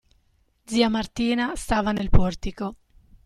Zia Martina stava nel portico.